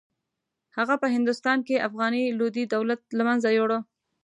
هغه په هندوستان کې افغاني لودي دولت له منځه یووړ.